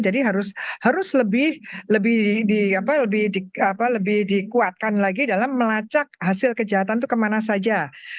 jadi harus lebih dikuatkan lagi dalam melacak hasil kejahatan itu kemana saja